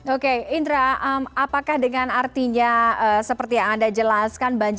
oke indra apakah dengan artinya seperti yang anda jelaskan